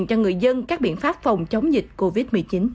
cho người dân các biện pháp phòng chống dịch covid một mươi chín